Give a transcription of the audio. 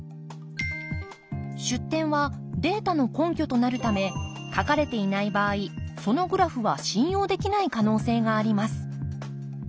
出典はデータの根拠となるため書かれていない場合そのグラフは信用できない可能性があります。